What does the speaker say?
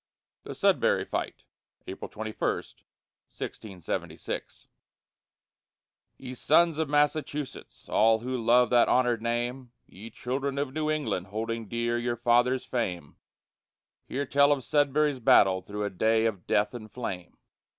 THE SUDBURY FIGHT [April 21, 1676] Ye sons of Massachusetts, all who love that honored name, Ye children of New England, holding dear your fathers' fame, Hear tell of Sudbury's battle through a day of death and flame!